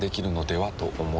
はい。